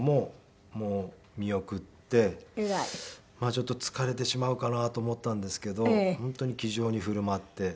ちょっと疲れてしまうかなと思ったんですけど本当に気丈に振る舞って。